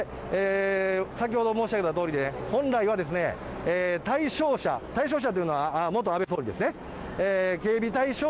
先ほど申し上げたとおりで、本来は対象者、対象者というのは、元安倍総理ですね。